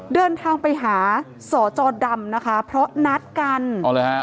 เดินทางไปหาสอจอดำนะคะเพราะนัดกันอ๋อเลยฮะ